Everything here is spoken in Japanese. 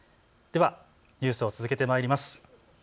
ではニュースを続けてまいります。